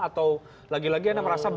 atau lagi lagi anda merasa